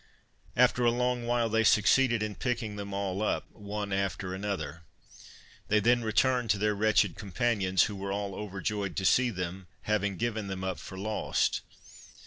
After a long while they succeeded in picking them all up, one after another. They then returned to their wretched companions, who were all overjoyed to see them, having given them up for lost.